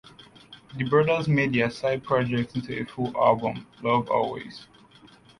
The brothers made their side projects into a full album, "Love Always".